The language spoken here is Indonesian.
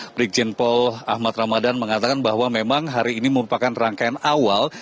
presiden pol ahmad ramadhan mengatakan bahwa memang hari ini merupakan rangkaian awal